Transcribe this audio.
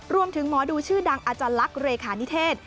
หมอดูชื่อดังอาจารย์ลักษณ์เลขานิเทศ